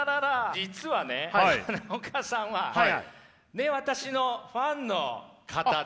実はね花岡さんは私のファンの方で。